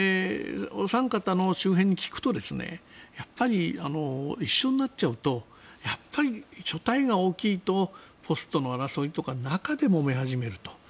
お三方の周辺に聞くとやっぱり一緒になっちゃうと所帯が大きいとポストの争いとか中で、もめ始めると。